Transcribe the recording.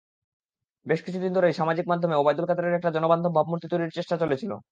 বেশ কিছুদিন ধরেই সামাজিক মাধ্যমে ওবায়দুল কাদেরের একটা জনবান্ধব ভাবমূর্তি তৈরির চেষ্টা চলেছিল।